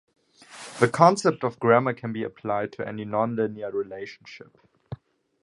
The concept of gamma can be applied to any nonlinear relationship.